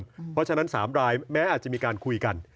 เพราะฉะนั้น๓รายแม้อาจจะมีการคุยกัน